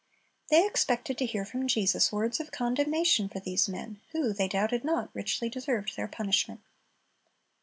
They expected to hear from Jesus words of condemnation for these men, who, they doubted not, richly deserved their punishment.